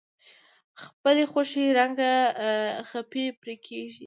خپلې خوښې رنګه خپې پرې کیږدئ.